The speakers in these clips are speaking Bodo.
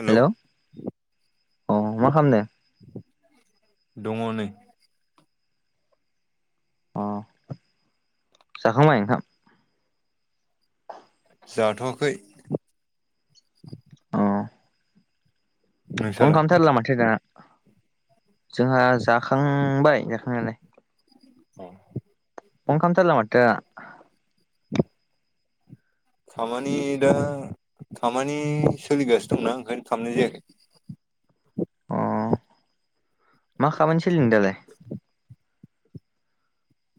हेलौ हेल' अ मा खालाम दों? [inaudible] [inaudible] अ [inaudible] जाखांबाय नोंथां? जाथ'वाखै। [inaudible] औ फन नोंसालाय? खालामथारला माथो दाना। [inaudible] जोंहा जाखांबाय जाखांनायालाय औ फन खालामथारला माथो दा [inaudible] खामानि दा खामानि सोलिगासिनो दंना ओंखायनो खालामनाय जायाखै अ [inaudible] मा खामानि सोलिदों दालाय?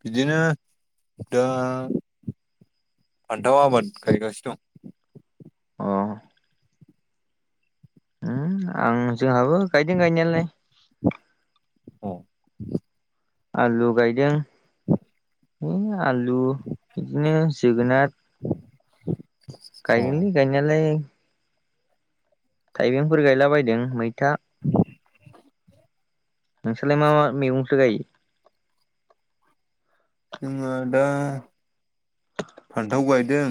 बिदिनो दा फानथाव आबाद गाइगासिनो दं अ आं जोंहाबो गायदों गायनायालाय औ आलु गायदों है आलु बिदिनो जोगोनार [inaudible] अ गायोलि गायनायालाय थाइबेंफोर गायला बायदों मैथा नोंसोरलाय मा मा मैगंथो गायो। जोंहा दा फानथाव गायदों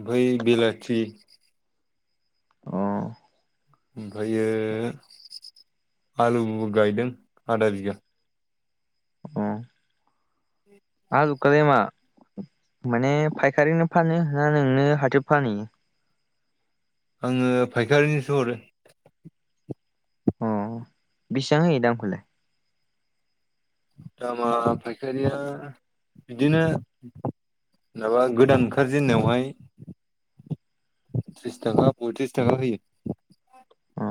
ओमफ्राय बिलाथि अ ओमफ्रायो आलुबो गायदों आधा बिगा अ आलु [unintelligible] माने फायखारिनो फानो ना नोंनो हाथाइयाव फानहैयो आङो फायखारिनिसो हरो। अ बिसिबां होयो दामखौलाय दामा फायखारिया बिदिनो माबा गोदान ओंखारजेननायावहाय त्रिस थाखा पयथ्रिस थाखा होयो। अ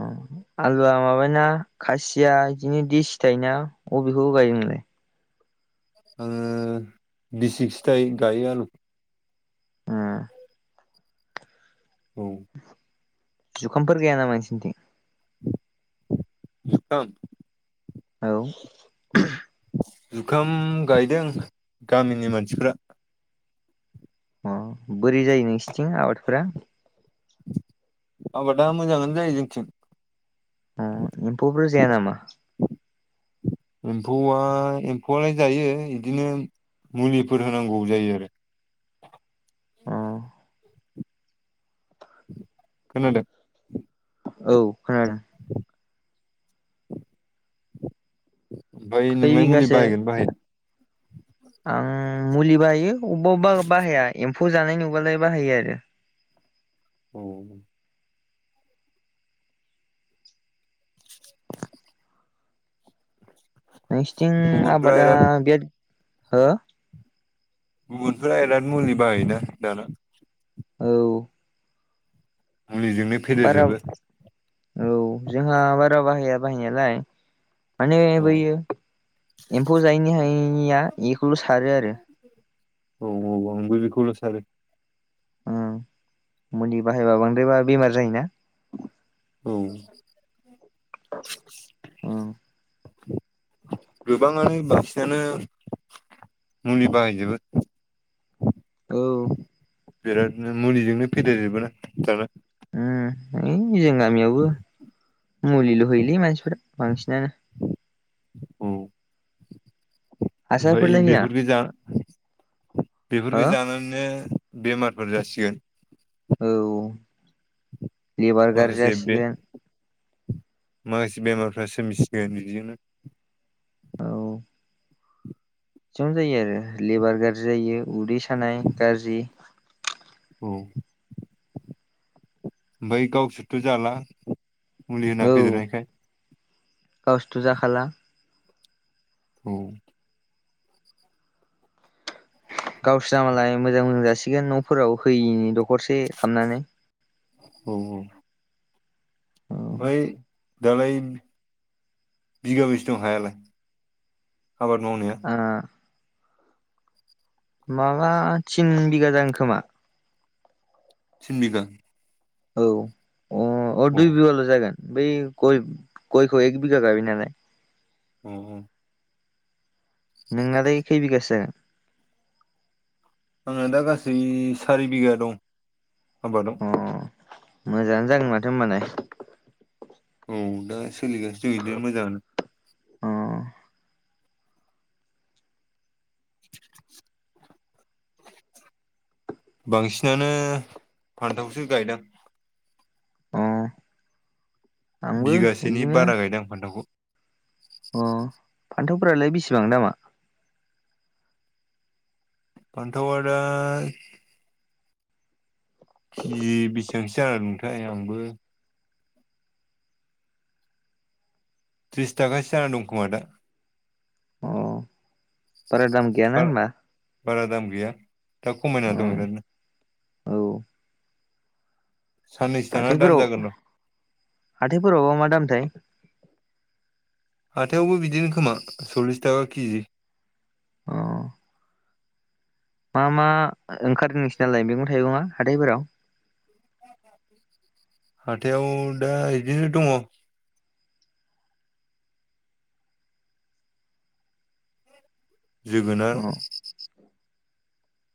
आलुवा माबाय ना खासिया बिदिनो दिसि थायोना अबेखौ गायो नोंलाय? आङो दिसि [unintelligible] गायो आलु ए औ जुखामफोर गाया नामा नोंसिनिथिं [unintelligible] औ जुखाम गायदों गामिनि मानसिफ्रा अ बोरै जायो नोंसिनिथिं आबादफोरा आबादा मोजाङानो जायो जोंथिं अ एम्फौफोर जाया नामा? एमफौआ एमफौआलाय जायो बिदिनो मुलिफोर होनांगौ जायो आरो [inaudible] खोनादों औ खोनादों। ओमफ्राय खै नोंलाय मुलि बिगासो बाहायगोनना बाहाया [inaudible] आं मुलि बाहायो अबेबा अबबा बाहाया एमफौ जानाय नुबालाय बाहायो आरो औ नोंसिथिं आबादा बिराद हो गुबुनफोरा बिराद मुलि बाहायोना दाना औ मुलिजोंनो बारा फेदेरजोबो औ जोंहा बारा बाहाया बाहायनायालाय माने औ बैयो एमफौ जायैनि हायैनिया बेखौल' सारो आरो औ औ आंबो बेखौनो सारो उ मुलि बाहायबा बांद्रायबा बेमार जायोना औ औ गोबाङानो बासिंनानो मुलि बाहायजोबो औ बिरादनो मुलिजोंनो फेदेरजोबो ना दाना उम जों गामियावबो मुलिल' होयोलै मानसिफोरा। बांसिनानो औ ओमफ्राय हासारफोरलाय होया बेफोरनो दा बेफोरखौ हो जानानैनो बेमारफोर जासिगोन औ लेबार गाज्रि माखासे बे जासिगोन माखासे बेमारफ्रा सोमजिगोन बेजोंनो एसेबां जायो आरो लेबार गाज्रि जायो उदै सानाय गाज्रि औ ओमफ्राय गावसोरथ' जाला मुलि होना फैदेरनायखाय गावसथु जाखाला औ गावसना मालाय मोजां मोजां जासिगोन न'फोराव होयिनि दखरसे खालामामनानै औ औ बै दालाय बिगाबैसो दं हायालाय आबाद मावनाया आ माबा थिन बिगा जागोन खोमा थिन बिघा औ अ अ दुइ बिघाल' जागोन बै गयखौ एक बिघा गायबाय नालाय अ नोंना दैाय खै बिगासो जागोन आंना दा गासै सारि बिगा दं आबादाव अ मोजाङानो जागोन माथो होनबानाय औ दा सोलिगासिनो दं बिदिनो मोजाङानो अ [inaudible] बांसिनानो फान्थावखौसो गायदां अ आंबो बिगासेनि बिदिनो बारा गायदां फान्थावखौ अ फान्थावफोरालाय बेसेबां दामा फान्थावा दा केजि बेसेबांसो जानानै दंथाय आंबो त्रिसथाखासो जाना दं खोमा दा अ बारा दाम गैया ना बारा होमब्ला? बारा दाम गैया दा खमायना दं एरादनो औ साननैसो थाना दाम हाथथायफोराव जागोन र' हाथथायफोरावबा मा दामथाय हाथायावबो बिदिनो खोमा सल्लिस थाखा केजि औ मा मा ओंखारो नोंसोरनाालाय मैगं थाइगङा हाथायफोराव हाथथायाव दा बिदिनो दङ जोगोनार अ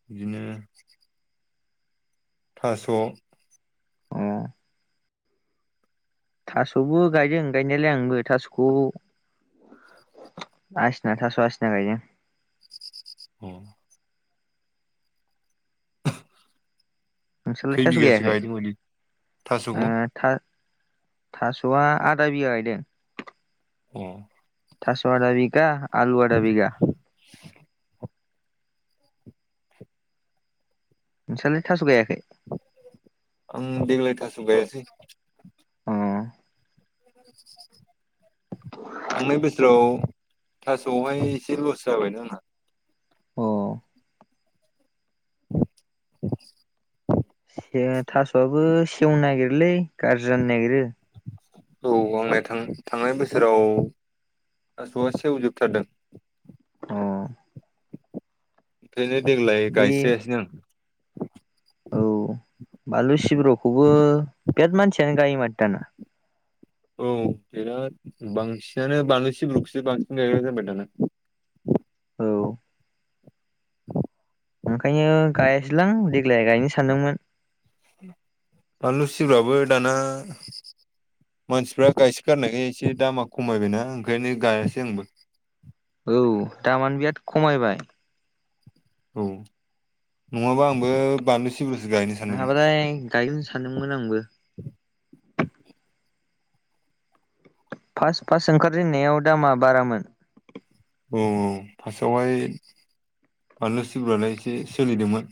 बिदिनो थास' अ थास'बो गायदों गायनायालाय आंबो थास'खौ आसना थास' आसना गायो। औ नोंसोरलाय खै थास' बिगासो गायदों बायदि थास'खौ गायाखै थास'आ आदा बिघा गायदों औ थसदा बिघा आलु आदा बिगा नोंसोरालाय थास' गायाखै? आं देग्लाय थास गायासै अ थांनाय बोसोराव थास'आवहाय एसे लस जाबायना आंहा। अह। [inaudible] से थास'आबो सेवनो नागिरोलै गाज्रि जानो नागिरो। औ आंना थां थांनाय बोसोराव थास'आ सेवजोबथारदों। अह। ओरैनो देग्लाय बे गायस्रायासैनो आं। औ बानलु सिब्र'खौबो बिराद मानसियानो गायो माथो दाना। औ बिराद बांसिनानो बानलु सिब्रुखौसो बांसिन गायग्रा जाबाय दाना। औ। ओंखायनो गायासैलां देग्लाय गायनो सानदोंमोन। बानलु सिब्रुआबो दाना मानसिफ्रा गायसो गारनायखाय एसे दामा खमायबायना ओंखायनो गायासै आंबो। औ दामानो बिराद खमायबाय। औ, नङाबा आंबो बानलु सिब्रुसो गायनो सानदोंमोन नोहाबालाय गायगोन सानदोंमोन आंबो। फास फास ओंखारजेननायाव दामा बारामोन। औ औ फास्टआवहाय बानलु सिब्रुआलाय एसे सोलिदोंमोन।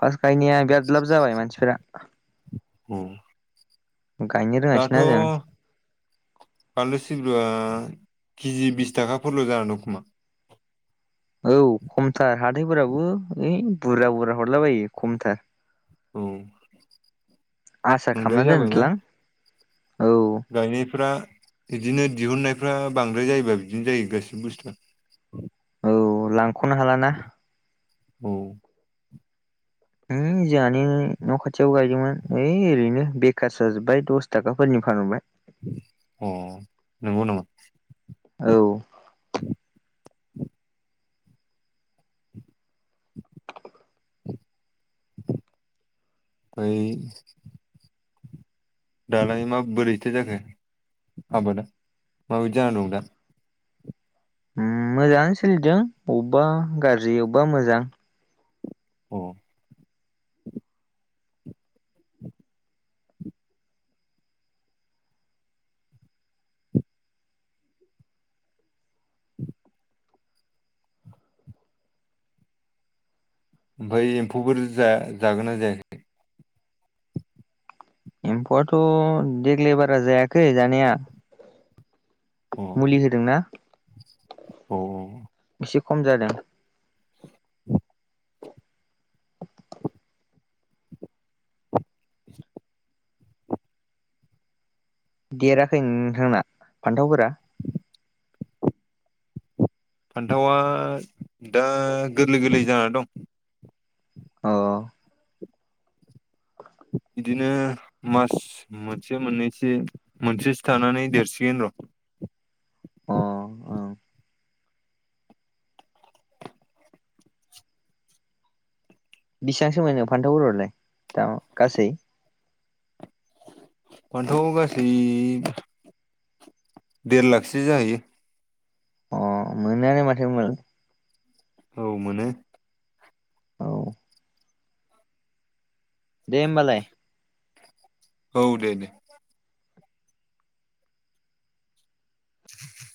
फास्ट गायनाया बिराद लाब जाबाय मानसिफोरा। औ। गायनो दाथ' रोङासैना जों बानलु सि लुआ केजि बिस थाखा फोरल' जाना दं खोमा। औ खमथार हाथायफोरावबो ओइ बुरजा बुरजा हरलाबायो खमथार। औ। आसा बांद्राय खामना जाबायना दोन्दोलां गायनायफ्रा बिदिनो दिहुन्नायफ्रा बांद्राय जायोबा बिदिनो जायो गासिबो बुस्थुआ। औ लांख'नो हालाना। औ। उम जोहानो न' खाथियाव गायदोंमोन ओइ ओरैनो बेखारसो जाजोब्बाय दस थाखाफोरनि फानहरबाय। अ नंगौ नामा? औ। ओइ दालाय मा बोरैथो जाखो आबादा माबायदि जानानै दं दा? उम मोजाङानो सोलिदों अबेबा गाज्रि अबेबा मोजां। अ। ओमफाय एम्फौफोर जा जागोना जायाखै? एम्फौआथ' देग्लाय बारा जायाखै जानाया मुलि होदोंना। अह। एसे खम जादों। [inaudible] देराखै नोंथांना फान्थावफोरा? फान्थावा दा गोरलै गोरलै जाना दं। अह। बिदिनो मास मोनसे मोननैसो मोनसेसो थानानै देरसिगोन र' अह ओं। बिसांसो मोनो फान्थाव फोरावलाय दा गासै? फान्थावाव गासै देर लाखसो जाहैयो। अह मोनोआनो माथो होनबा नों औ मोनो। औ दे होमबालाय। औ दे दे।